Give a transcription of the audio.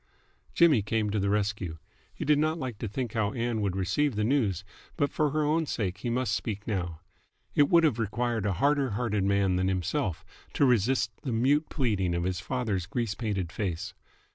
Jimmy came to the rescue. He did not like to think how Ann would receive the news, but for her own sake he must speak now. It would have required a harder hearted man than himself to resist the mute pleading of his father's grease painted face.